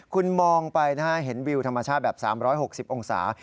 คุณมองไปนะฮะเห็นวิวธรรมชาติแบบ๓๖๐องศา